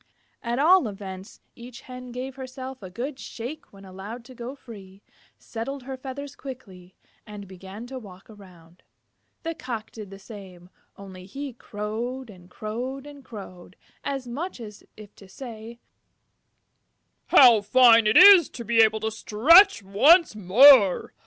At all events, each Hen gave herself a good shake when allowed to go free, settled her feathers quickly, and began to walk around. The Cock did the same, only he crowed and crowed and crowed, as much as to say, "How fine it is to be able to stretch once more!